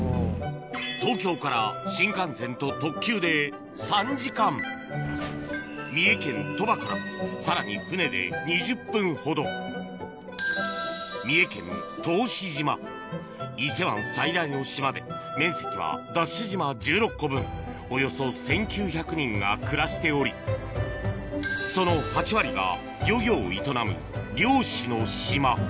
東京から新幹線と特急で３時間三重県鳥羽からさらに船で２０分ほど面積はＤＡＳＨ島１６個分およそ１９００人が暮らしておりその１つが答